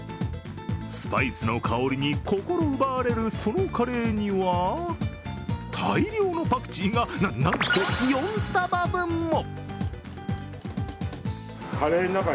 スパイスの香りに心奪われる、そのカレーには大量のパクチーが、な、なんと４束分も。